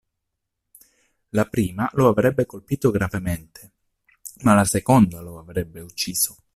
La prima lo avrebbe colpito gravemente, ma la seconda lo avrebbe ucciso.